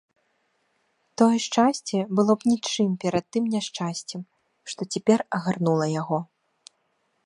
Тое шчасце было б нічым перад тым няшчасцем, што цяпер агарнула яго.